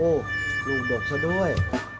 โอ้โฮลูกบอกซะด้วย